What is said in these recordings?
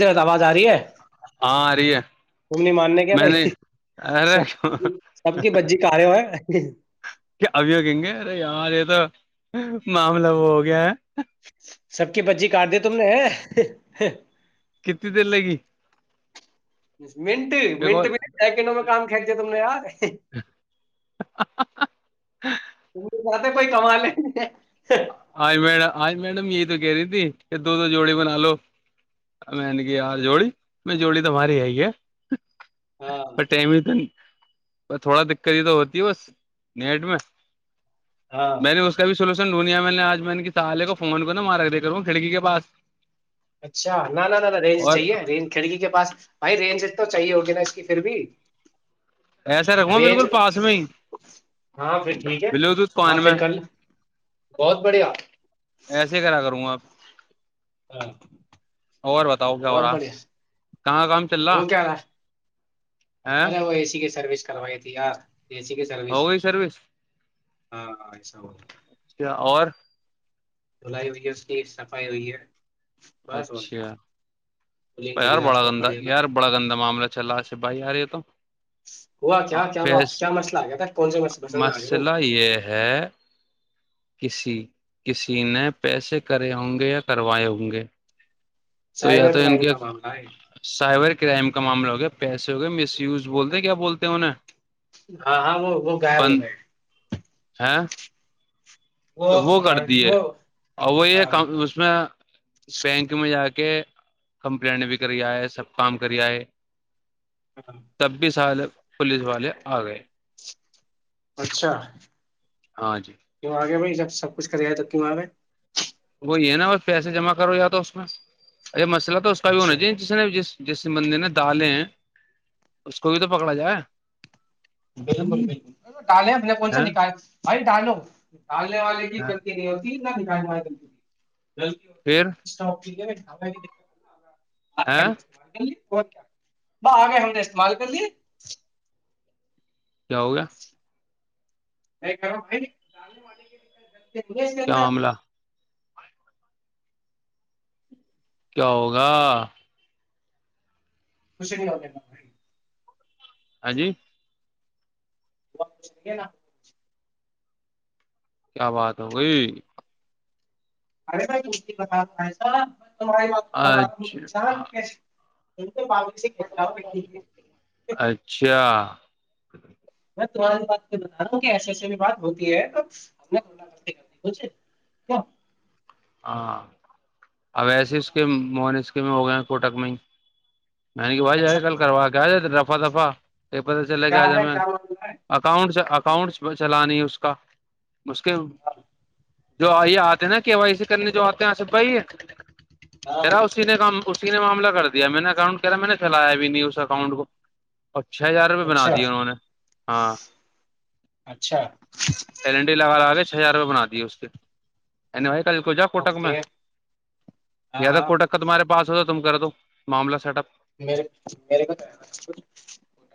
ب آواز آ رہی ہے ہاں آ رہی ہے تم نہیں ماننے کیا میں بھائی نے ارے سب کیا سب کی بجی کارے ہے ابھی وہ کہیں گے ارے یار یہ تو معاملہ وہ ہو گیا ہے سب کی بچی کاٹ دی تم نے کتنی دیر لگی منٹ منٹ کال بھی سیکنڈوں میں کام کھی د تم نے یار زیادہ کوئی کما ل آ مڈم آج میڈم یہ تو کہہ رہی تھی کہ دو دو جوڑی بنا لو میں نے کہ یار جوڑی میں جوڑی تماری ہے ہی ہے ہاں ب م تو نہیں بس تھوڑا دقت تو ہوتی ہے بس نیٹ میں ہاں میں نے اس کا بھی سنو [unintelligible] میں نے آج میں ان سالے کو فون کر نا مارک دے کرا ہوں کھڑکی کے پس اچھا ن ن ن رینج چاہیے رینج کھڑکی کے پاس بھائی رینج تو چاہیے اس کی پھر بھی ایسے رکھوںا رینج بالکل پاس میں ہی ہاں پھر ٹھیک ہے بلوٹوتھ ہاں پان میں پھر کل بہت بڑھیا ایسے ہی کرا کروں آپ ہاں اور بتاؤ کیا ہو بہت رہا بڑھیا کہاں کام چل وہ کیا رہا ہے ارے وہ اے سی کی سروس کروائی تھی ج سی کے سروس ہو گئی سروس ہاں ایسا ہو اچ کیا اور دلائی ہوئی ہے اس کی صفائی ہوئی ہے بس اور کیا اچھا کولنگ یار کری رہا بڑا تھا وہ گندا بڑھیا کر کے۔ یار بڑا گندا معاملہ چل رہا سے بھائی یار یہ تو ہوا کیا کیا بات کیا مسئلہ آ گیا تھا کون سے مسئلہ مسئلے میں آ گئے تم مسئلہ یہ ہے کسی کسی نے پیسے کرے ہوں گے یا کروائے ہوں گے تو یا سائبر تو ان کرائم کے کا معاملہ ہے سحبور کے کرائم کا معاملہ ہو گیا پیسے ہو گئے مس وز بولتے کیا بولتے ہیں انہیں ہاں ہاں وہ وہ غائب ہو گئے ہاں وہ آ، کر دی ہے وہ اور وہ ہاں یہ ہاں اس میں بینک میں جا کے کمپلٹ بھی کریا ہے سب کام کریا ہے ہاں۔ تب بھی سال پولیس والے آ گئے اچھا ہاں جی کیوں آ گئے بھائی جب سب کچھ کرے گ تب کہ وہاں پ وہی یہ ہے نا ب پیسے جمع کرو جاتا اس میں ار مسئلہ تو اس کا بھی ہونا اچھا چاہیے جس نے جس جس مندر نے دالے ہیں اس کو بھی تو پکڑا جائے بالکل بالکل ڈالیں اپنے کون سےا ہیں نکال بھائی ڈالو ڈالنے والے کی کرتی نہیں ہوتی نہیں م ت پھر اس [inaudible] آ د [inaudible] ہے آارس کیا وہ آ گئے ہم نے استعمال کر لیے کیا ہوگیا نہیںال کے دت کیا سندا معاملہ کیا ہوگا کچھ نہیں ہونے نش ہاں جی ب نا [inaudible] کیا بات ہو گئی ارے بھائی کی باتسا ہاری بات کو بتا دے انسان اچھا کیسے [inaudible] سے کہہ جاؤ اچھا جی [inaudible] میں بات بتا رہا ہوں کہ ایسے ایسی بات ہوتی ہے ہماو ہاں ایسے اس کے منک میں ہو گئے فوٹک میں ہی میں نے کہ بھائی ایسا آ کل کچھ نہیں کروا کے آ ففا دپا [inaudible] یہ پتہ چلاے گیا کیا آج ہے ہمیں کیا معاملہ ہے اکاؤنٹ اکاؤنٹ چلانی اس کا اس کے جو آ یہ آتے نا کے وائی سی کرنے جو آتے ہیں آصف بھائی ہاں یراؤ سی نے کام اسی نے معاملہ کر دیا میں نے ان کہ رہا میں نے چھیلایا بھی نہیں اس اکاؤنٹ کو اور چھ ہزار روپئے بنا اچھا دیے انہوں نے ہاں اچھا ایلنڈی لگال گے ہزار روپئے بنا دیے اس کے بھائی کال کو جا کوٹک میں اوکے ہاں یا تو ہاں کوٹک کا تمہارے پاس تم کر دو معاملہ سیٹ اپپ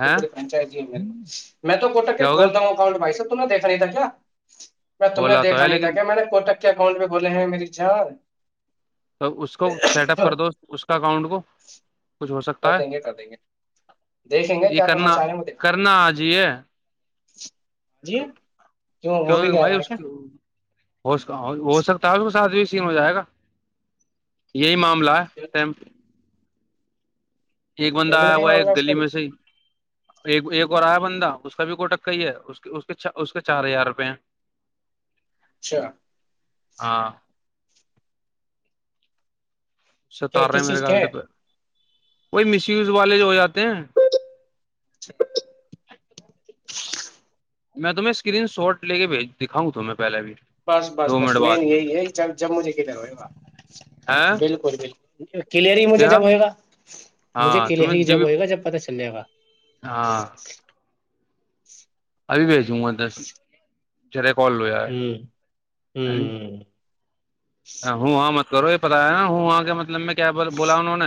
ہے میں تو کوٹک کے کیا ہو گیا کھولتا ہوں اکانٹ بھائی دیکھا نہیں تھا کیا میں تم نے بولا تو دیکھا ہے نہیں تھا لیکن کیا میں نے کوٹک کے اکاؤنٹ کھولے ہیں میری جان تو اس کو سیٹ اپ کر دو اس کا اکاؤنٹ کو کچھ ہو کر سکتا ہے دیں گے کر دیں گے دیکھیں گے یہ کیا کرنا کرنا آ جیے جی جی کیوں وہ بھی گیا ہو ہے کیا ہوک ہو سکتا ہے اس میں سی ہو جائے گا یہی معاملہ م ایک بندہ آیا پیمنٹ کا ہوا ہے معاملہ ایک اس کا گلی بھی میں سے ہی ایک ایک اور آیا بندہ اس کا بھی کو ٹکا ہی ہے کے اس کے چار ہزار روپئے ہیں اچھا ہاں کیا ستارے کس میرے چیز کے گال سے ہے وہی مس یوز والے جو ہو جاتے خالی اوج عا رہی ہے میں تمہیں اسری شٹے کے بھیج دکھاؤں تو میں بس بس بس مین یہی ہے جب جم مجھے کدھر ہوئے ب ہے بالکل بالکل جی کیلری مجھے کیا جب ہوئےا مجھے ہاں تمہیں کیلری جب بھی ہوئے گا جب پتا چل چلے کاا ہاں اب بھیس ہ تھاس جر ہوں ہوں ہ ہ ہاں م کرو یہ پتا ہے نا ہوں وہاں کے مطلب میں کیا بولا انہوں نے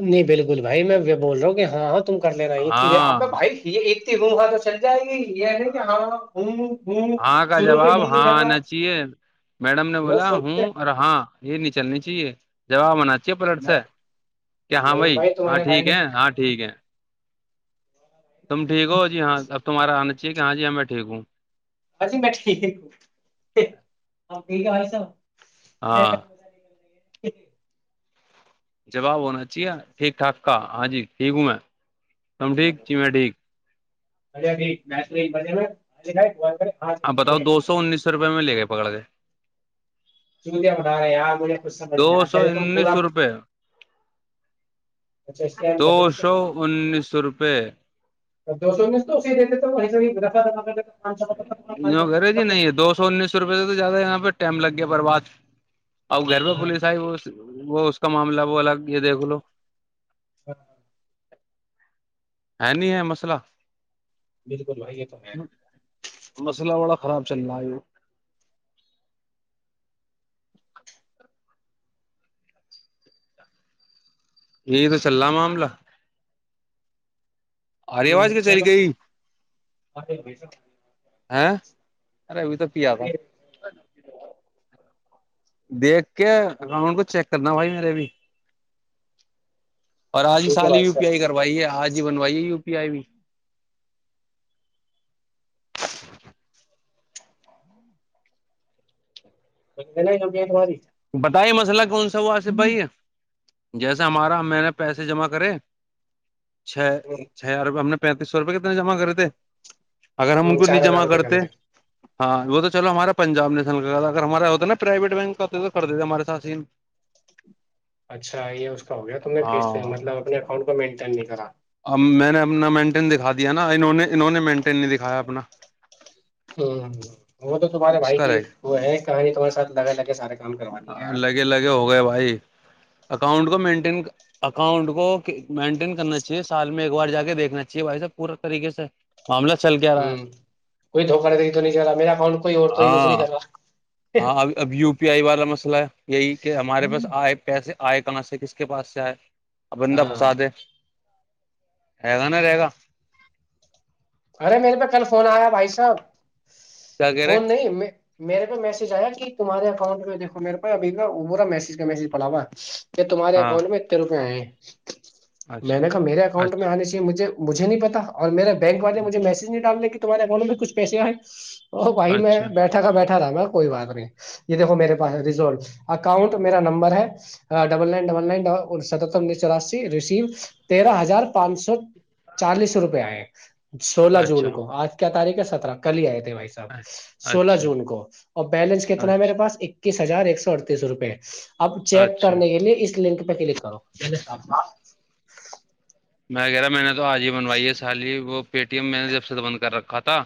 نہیں بالکل بھائی میں بول رہا ہوں کہ ہاں ہاں تم کر لے رہا اب ہاں بھائی بخا تو چل جائے گی یہ نہیں کہ ہاں ہوں ہوں ہاں کا شروع سے جواب ہوں ہاں چل رہا ہے آنا چاہیے میڈم نے وہ بولا سن ہوں سے اور ہاں یہ نہیں چلنی چاہیے ج منا اچھے پلٹ سے میں- کہ ہاں نہیں بھائی ہاں تمہارے ٹھیک بھائی نے اجی ہے ہاں میں ٹھیک ہے تم ٹیک نے ہو میری جیاں ٹینشن اب نہیں تمہار آنااہیے کہاں جی جی میں ٹھیک ہوں بھ جی میں ٹھیک ہوں ہاں ٹھیک ہے بھائی صاحب ہاں ج جواب ہونا چاہیے ٹھیک ٹھاک کا ہاں جی ٹھیک ہوں میں سم ٹھیک کی میں ٹھیک مج م مجے میں اے بات کرے ہاں ہپ جو رہی بتاؤ ہے دو سو انیس سو روپئے ملے گئے پکڑ کے ب ب رہااں دو سو انیس روپئے اچھا اسکین تو کر دے اس کے سو ساتھ انیس س روپے ا دو سو میں تو اسی دیتے تو وہیں سے دفع دفا کرتا یہ گج ہی نہیں ہے دو سو انیس سو روپے سے تو زیادہ ہے یہاں پہ [unintelligible] ٹائم لگ گیا برباد آ گرب ہاں پولیس آئی وہ [unintelligible] وہ اس کا معاملہ وہ الگ یہ دیکھ لو ہاں ہاں [inaudible] ہے نہیں ہے مسئلہ بالکل بھائی یہ تو ہے مسئلہ بڑا خراب چلنا آو [unintelligible] یہ تو چل رہ معاملہ ہ آری آواز کی چ گ چلی گئی [inaudible] ہاں ارے ا بھی تو پ آ تھا ارے [inaudible] دیکھ کے اکاؤنٹ کو چیک کرنا بھائی میرے بھی اور آج ہی ٹھیک ہے سال بھائی ہی و پی آئی صاحب کروائیے آج ہی بنوائیے یو پی پ آئی و [inaudible] ب گل گ مدواری [inaudible] پٹائی مساللہ کون سا [inaudible] سو سے بھائی ہے [unintelligible] جیسا ہمارا میں نے پیسے جمع کرے چھ ہ چھ عرب ہم نے پینتیس سو روپئے کتنے جمع کرے تھے اگر ہم ان کو نہیں چار ہزار جمع روپئے کرے کرتے تھے ہاں وہ تو چلو ہمارا پنجاب نیشن کا تھا اگر ہمارا ہوتا نا پرائیویٹ بینک کا ہوتا تو کر د تھ ہمارے سات اچھا یہ اس کا ہو گیا تمس مطلب اپنے اکاؤنٹ کو مینٹین نہیں کرا اب میں نے اپنا مینٹین دکھا دیا نا انہوں نے انہوں نے مینٹین نہیں دکھایا اپنا وہ تو تمہارے اس بھائی کا کی رہ وہ ہے کہانی تمہارے ساتھ لگا لگے سارے کام کروانی ہے گیا یار لگے لگے ہو گئے بھائی اکاؤنٹ کو مینٹین اکاؤنٹ کو مینٹین کرنا چاہ اے سال میں ایک بار جا کے دیکھنا چاہیے بھائی سب پورا طریقے سے [unintelligible] کیا رہا ہے کوئی دھوکہ د دری تو نہیں چل رہا میرا اکاؤنٹ کوئی اور تو یوز ہاں نہیں کر رہا اسلح [unintelligible] یہی کہ ہمارے پاس آئے پیسے آئے کہاں سے کس کے پاس سے آئے ابندہ بھسا ہاں دے ہے گا نا رہے گا [inaudible] سرے میرے ب کل فون آیا بھائی صاحب کیا کہہ رہے فون نہیں میں میرے پہ میسج آیا کہ تمہارےکاؤنٹ پہ دیکو میرے پا ابھی کا وہ برا میسج کا میسج پڑا ہوا یہ تمہار ہاں ااؤٹ میں ات روپے ہیں جچ میں اچھا نے کہا میرے اکاؤنٹ میں اچھا آنے چاہیے مجھے مجھے نہیں پتا اور میرا ب مجے میج نہیں ڈالنے کے تمہارے اکانٹ میں کچھیسے ہیں ا بھائی میں اچھا بیٹھا تھا بیٹھا رہ کوئی بات نہیں یہ دیکو میرے پاس رز اکاؤنٹ میرا نمبر ہے ڈبل نائن ڈبل ن ستتریس چورسی ریسیو تیرہ ہزار پانچ سو چالیس روپئے آئے سولہ جون اچھا کو آج کیا تاریخ سترہ کلی آئے تھے بھائی صاحب سولہ اچھا جون کو اور بیلنس کتنا ہے اچھا میرے پاس ایک س ہزار ایک سو اڑتیس روپئے اب چیک اچھا کرنے کے لیے اس لنک کلک کروپ میں کہہ رہا میں نے تو آج ہی بنوائی ہے سالی وہ پےٹی ایم میں نے جب سے تو بند کر رکھا تھا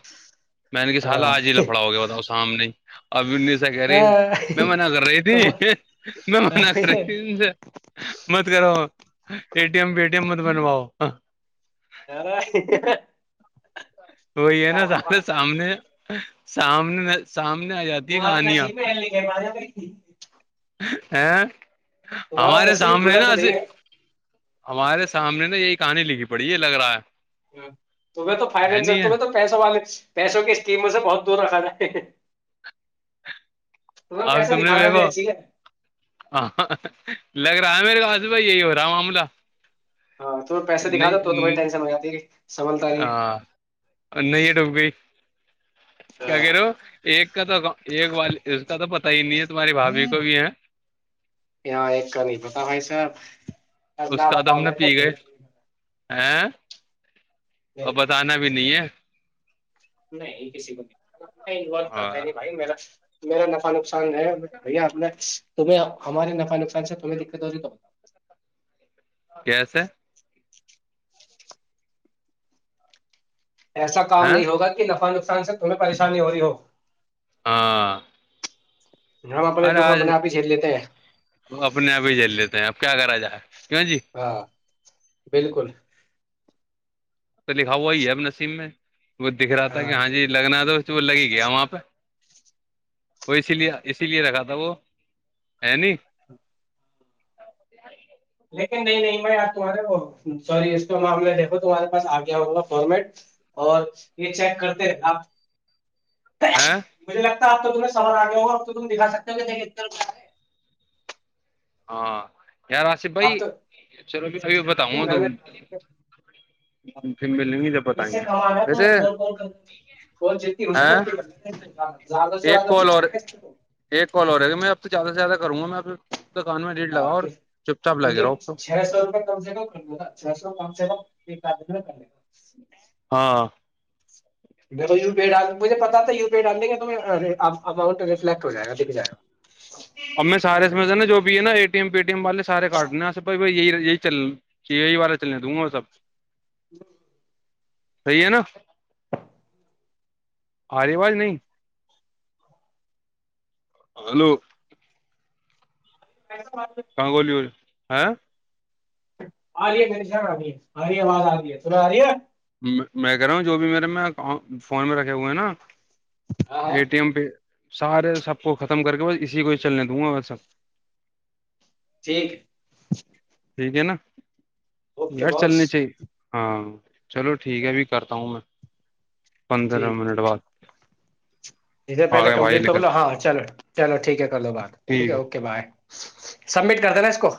میں نے کہ سال اه آج ہی لفڑا ہو گیا بتاؤ سامنے ہی اور ابی سا کہہ رہی آه. میں منع کر رہی تم تھی میں منع ارے کر رہی تھی ان سے مت کرو ایٹی ایم بیٹیم یر بہار کی اوج عا رہی ہے وہئی ہے نا ز سامنے سامنے آ جاتی ہے تہارے کہانیاں نشب میں ل کہ بازے ٹھیک ہاں ہمارے نصیب سامنے بلند ناے نہیں ہے ہمارے سامنے نا یہی کہانی لکھی پڑی یہ لگ رہا ہے تمہیں تو ہے فس نہیں ہے تمیں تو پیسوں والے پیسوں کی اسکیموں سے بہت دور رکھا تھا بہار کی اوج عا رہی ہے تمہیں ا پیسہ تم نے دکھانا بھی وھو اچھی ہے لگ رہا ہے میرے خاس بھائی یہی ہو رہا ہے معاملہ ہاں تومہیں پیسے دکھا دو تو بھائی نہیں ٹینشن ہو جاتی ہےی ہاں نہیں ڈوب گئی کیا کہ رہ ہو ایک کا تو ایک وال اس کا تو پ [unintelligible] ہ یہاں ایک کا نہیں پتا بھائی ساحب اس کا تو ہم نے پی گئے آاں اور بتانا بھی نہیں میں- ہے نہیں یہ کیسی ب نہیں گلط کرتا ہے ہاں نہیں بھائی میرا میرا نفا نصان س ہے بھیا آنا تمہیں ہمارے نفع نقصان سے تمہیں دقت ہو رہی ہے تو کیسے ایسا کام ہاں نہیں ہوگا کہ نفع نفع سے تمہیں پریشانی ہو رہی ہو ہاں ہم اپنے ارے دکھ آج اپنے آپ ہی جھیل لیتے ہیں وہ اپنے آپ ہی جل لیتے ہیں آپ کیا کرا جائے کیوں جی ہاں بالکل تو لکھا ہوا ہی ہے اب نسیم میں وہ دکھ رہا تھا کہ ہاں جی لگنا تو وہ لگ ہی گیا وہاں پہ وہ اسی لیے اسی لیے رکھا تھا وہ ہے ن لیکن نہیں نہیں بھائی آپ تمہارے وہ سوری اس پ معاملہ دیکھو تمہارے پاس آ گیا ہوگا فارمیٹ اور یہ چیک کرتے رہ آپ ہاں آپ تو تمہیں سان آگے ہوا اب تو تم دکھا سکتے ہو کہ دیک ہے ہاں یار آصف اب بھائی تو چلو ابھی تم بتاؤں گا گھر میں دکھا سکتے ہو مل گی جب اس بتائیں سے گے کمانا تو ویسے کال کال کر کال جتنی ہو سکے ہ اتنی کر لینا زیادہ سے ایک زیادہ کال اور ایک کال اور گ میں اب تو زیادہ سے زیادہ کروں گا میں آ ہاں تو لگے کیونکہ رہو اب تو چھ سو روپئے کم سے کم چھ سو کم سے کم یہ کاج جوا کرنے گا ہاں پ ڈ مجھے پتا تھا یو پی ڈالے گ اماؤنٹ ریفٹ ہو جائے گا لکھ جائے گا A T M Paytm والے سے کاٹنے ہیںے بھائی یہی یہی چل یہی والارہ چلنے د گا سب ج صحیح ہے نا آرےوج نہیں ہلو کنگولی ہو ہاں آ رہی ہےشان آب آ رہ ہے آواز آ رہی ہے تا آ رہی ہے میں کہہ رہا ہوں جو بھی میرے میں اکاؤٹ فون میں رکھے ہوئے ہیں نا ہاں ا ٹی ایم پہ سارے سب کو ختم کر کے بس اسی کو چلنے دوں گا بس سب ٹھیک ہے ٹھیک ہے نا اوکے یار باس چلنی چاہیے ہاں چلو ٹھیک ہے بھی کرتا ہوں میں پندرہ ٹھیک ہے منٹ ٹھیک بعد ہے جھر آ پہلے گئے بھائی کمپلیٹ تو نکل بولو ٹھیک ہاں چلو چلو ٹھیک ہے کر لو بات ٹھیک ہے اوکے بائے سبمٹ کر دینا اس کو